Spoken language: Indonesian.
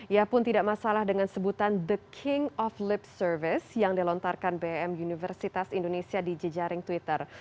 ia pun tidak masalah dengan sebutan the king of lip service yang dilontarkan bem universitas indonesia di jejaring twitter